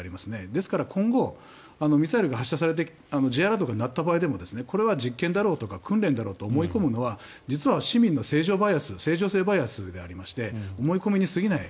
ですから今後ミサイルが発射されてＪアラートが鳴った場合でもこれは実験だろうとか訓練だろうと思い込むのは実は市民の正常性バイアス正常性バイアスでありまして思い込みに過ぎない。